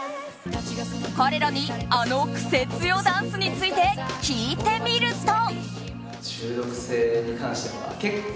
彼らにあのクセ強ダンスについて聞いてみると。